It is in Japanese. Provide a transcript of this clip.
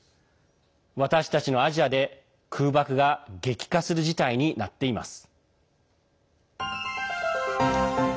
私たちのアジアで、空爆が激化する事態になっています。